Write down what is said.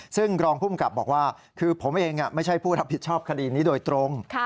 ซึ่งรองภูมิกับบอกว่าคือผมเองไม่ใช่ผู้รับผิดชอบคดีนี้โดยตรง